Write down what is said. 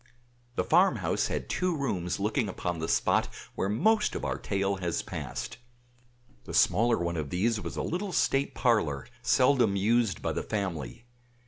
The farm house had two rooms looking upon the spot where most of our tale has passed. The smaller one of these was a little state parlor, seldom used by the family.